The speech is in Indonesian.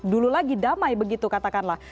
dulu lagi damai begitu katakanlah